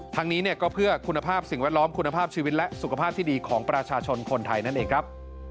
ทั้งนี้ก็เพื่อคุณภาพสิ่งแวดล้อมคุณภาพชีวิตและสุขภาพที่ดีของประชาชนคนไทยนั่นเองครับ